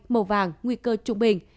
màu vàng nguy cơ trung bình